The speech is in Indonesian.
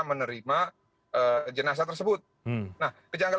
menerima jenazah tersebut nah kejanggalan